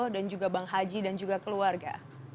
dan juga bang haji dan juga keluarga